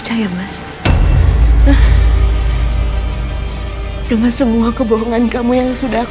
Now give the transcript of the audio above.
saya mau masuk ke rumah